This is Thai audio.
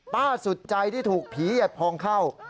สุดใจที่ถูกผีหยัดพองเข้า